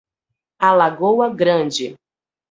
Alagoa Grande